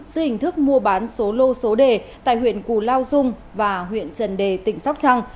dưới hình thức mua bán số lô số đề tại huyện cù lao dung và huyện trần đề tỉnh sóc trăng